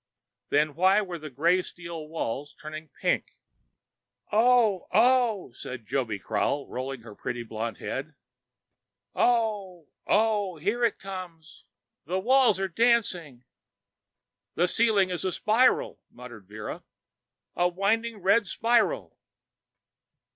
Then why were the gray steel walls turning pink? "Oh, oh ..." said Joby Krail, rolling her pretty blond head, "oh, oh ... here it comes. The walls are dancing...." "The ceiling is a spiral," muttered Vera, "a winding red spiral."